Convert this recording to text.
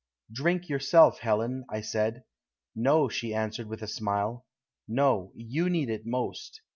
"'Drink, yourself, Helen,' I said. "'No,' she answered, with a smile. 'No, you need it most.'